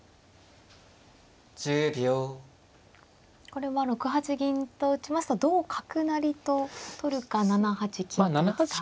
これは６八銀と打ちますと同角成と取るか７八金と打つか。